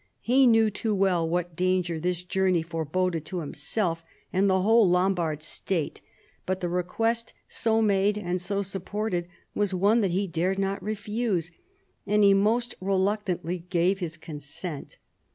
He knew too well what danger this journey foreboded to himself and the \vhole Lombard state, but the request, so made PIPPIN, KING OF THE FRANKS. 89 and so supported, was one that he dared not refuse, and he most reluctantly gave his consent.